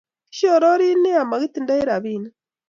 Kishororo nea mokitindoi rabinik